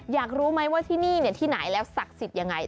อยากรู้ไหมว่าที่นี่ที่ไหนแล้วศักดิ์สิทธิ์ยังไง